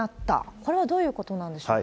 これはどういうことなんでしょうか？